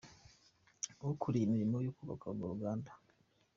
Ukuriye imirimo yo kubaka urwo ruganda, Ir.